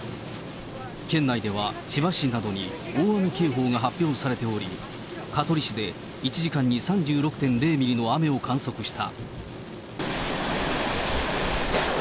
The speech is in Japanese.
県内では千葉市などに大雨警報が発表されており、香取市で１時間に３６．０ミリの雨を観測した。